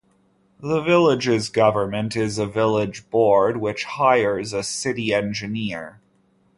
The village's government is a village board, which hires a city engineer.